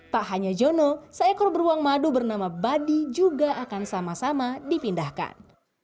tak hanya jono seekor beruang madu bernama badi juga akan sama sama dipindahkan